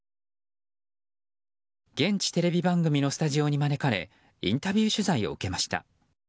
現地テレビ番組のスタジオに招かれインタビュー取材を受けました。